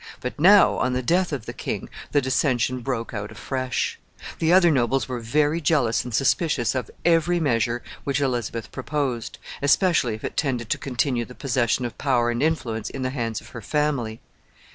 But now, on the death of the king, the dissension broke out afresh. The other nobles were very jealous and suspicious of every measure which Elizabeth proposed, especially if it tended to continue the possession of power and influence in the hands of her family.